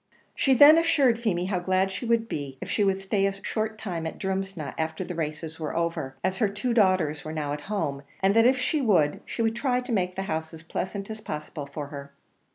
She then assured Feemy how glad she would be if she would stay a short time at Drumsna, after the races were over, as her two daughters were now at home, and that if she would, she would try to make the house as pleasant as possible for her.